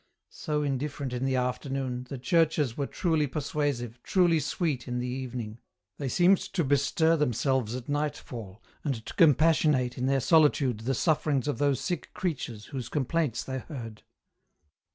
So indifferent in the afternoon, the churches were truly persuasive, truly sweet, in the evening ; they seemed to bestir themselves at nightfall, and to compassionate in their solitude the sufferings of those sick creatures whose complaints they heard.